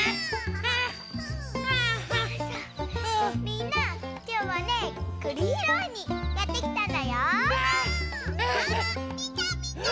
みんなきょうはねくりひろいにやってきたんだよ。ね。